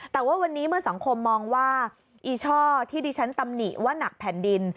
แต่ว่าวันนี้เมื่อสังคมมองว่าอีช่อที่ดิฉันตำหนิว่านักแผ่นดิน